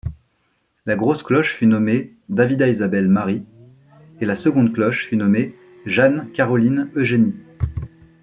La grosse cloche fut nommée Davida-Isabelle_Marie et la seconde cloche fut nommée Jeanne-Caroline-Eugénie.